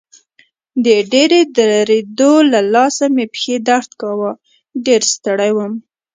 د ډېرې درېدو له لاسه مې پښې درد کاوه، ډېر ستړی وم.